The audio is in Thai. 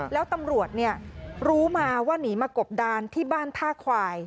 แล้วตำรวจรู้มาว่าหนีมากบดานที่บ้านท่าควาย